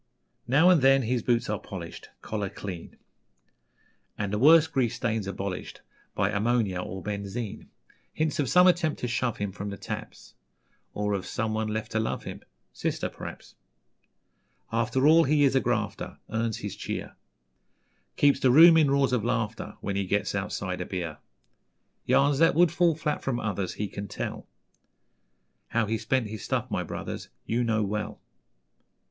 Now and then his boots are polished, Collar clean, And the worst grease stains abolished By ammonia or benzine: Hints of some attempt to shove him From the taps, Or of someone left to love him Sister, p'r'aps. After all, he is a grafter, Earns his cheer Keeps the room in roars of laughter When he gets outside a beer. Yarns that would fall flat from others He can tell; How he spent his 'stuff', my brothers, You know well.